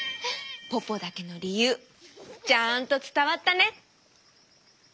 ポポだけのりゆうちゃんとつたわったね。